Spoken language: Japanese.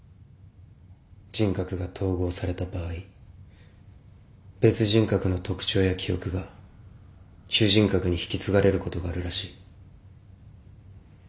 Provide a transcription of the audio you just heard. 人格が統合された場合別人格の特徴や記憶が主人格に引き継がれることがあるらしい。